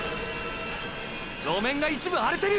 路面が一部荒れてる！！